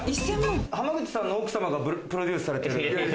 濱口さんの奥様がプロデュースされてる？